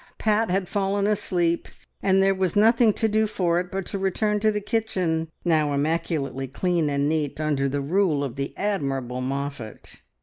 Pat had fallen asleep, and there was nothing to do for it but to return to the kitchen, now immaculately clean and neat under the rule of the admirable Moffatt.